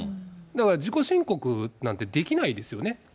だから自己申告なんてできないですよね。